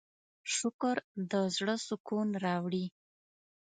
شکر د زړۀ سکون راوړي.